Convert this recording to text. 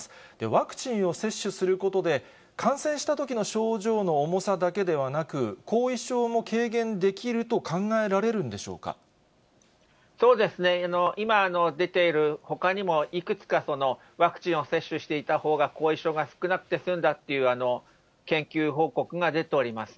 ワクチンを接種することで、感染したときの症状の重さだけではなく、後遺症も軽減できると考そうですね、今、出ているほかにも、いくつかワクチンを接種していたほうが後遺症が少なくて済んだっていう研究報告が出ております。